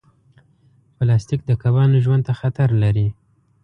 پلاستيک د کبانو ژوند ته خطر لري.